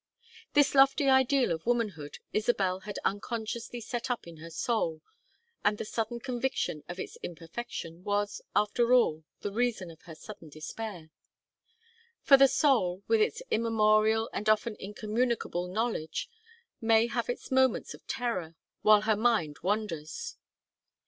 This lofty ideal of womanhood Isabel had unconsciously set up in her soul, and the sudden conviction of its imperfection was, after all, the reason of her sudden despair. For the soul with its immemorial and often incommunicable knowledge may have its moments of terror while the mind wonders.